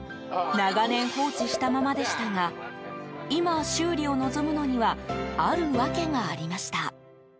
長年放置したままでしたが今、修理を望むのにはある訳がありました。